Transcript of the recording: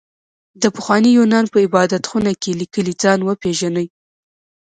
د پخواني يونان په عبادت خونه کې ليکلي ځان وپېژنئ.